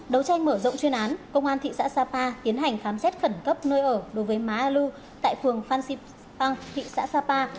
đấu tranh mở rộng chuyên án công an thị xã sapa tiến hành khám xét khẩn cấp nơi ở đối với má lưu tại phường phan xip phang thị xã sapa